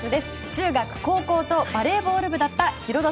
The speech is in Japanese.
中学、高校とバレーボール部だったヒロド